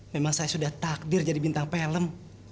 memang saya sudah takdir jadi bintang film